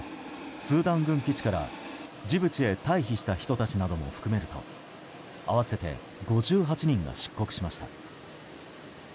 スーダン軍基地からジブチへ退避した人たちなども含めると合わせて５８人が出国しました。